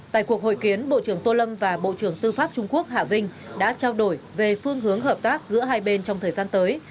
tại cuộc hội kiến bộ trưởng tô lâm và bộ trưởng tư pháp trung quốc hạ vinh đã trao đổi về phương hướng hợp tác giữa hai bên trong thời gian tới